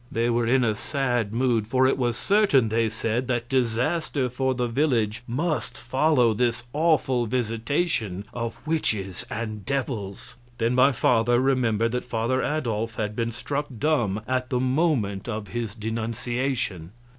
They were in a sad mood, for it was certain, they said, that disaster for the village must follow this awful visitation of witches and devils. Then my father remembered that father Adolf had been struck dumb at the moment of his denunciation.